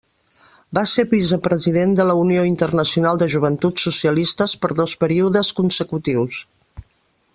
Va ser vicepresident de la Unió Internacional de Joventuts Socialistes per dos períodes consecutius.